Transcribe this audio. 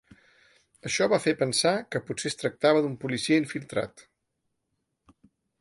Això va fer pensar que potser es tractava d’un policia infiltrat.